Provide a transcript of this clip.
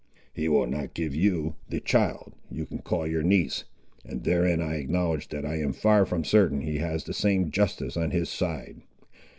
He will not give you the child, you call your niece; and therein I acknowledge that I am far from certain he has the same justice on his side.